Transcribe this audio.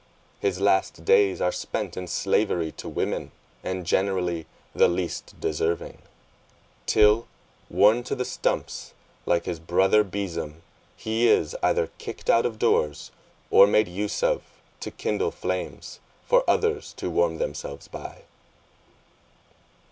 His last days are spent in slavery to women, and generally the least deserving; till, worn to the stumps, like his brother bezom, he is either kicked out of doors, or made use of to kindle flames, for others to warm themselves by.